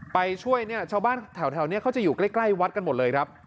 ไปช่วยเนี่ยชาวบ้านแถวนี้เขาจะอยู่ใกล้วัดกันหมดเลยครับ